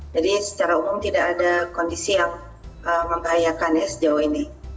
jadi secara umum tidak ada kondisi yang membahayakan sejauh ini